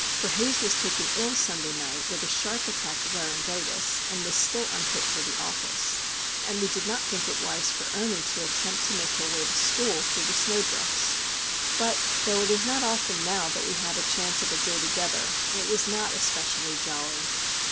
For Haze was taken ill Sunday night with a sharp attack of laryngitis, and was still unfit for the office; and we did not think it wise for Ernie to attempt to make her way to school through the snowdrifts. But, though it is not often now that we have the chance of a day together, it was not especially jolly.